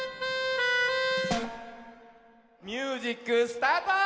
ミュージックスタート！